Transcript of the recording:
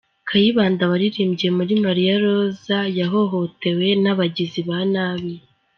Kayibanda waririmbye muri “Mariya Roza” yahohotewe n’ abagizi ba nabi .